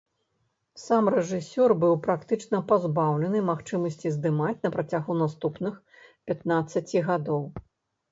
Сам рэжысёр быў практычна пазбаўлены магчымасці здымаць на працягу наступных пятнаццаці гадоў.